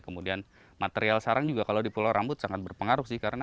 kemudian material sarang juga kalau di pulau rambut sangat berpengaruh sih